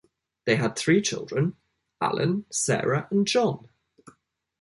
They had three children: Alan, Sarah, and John.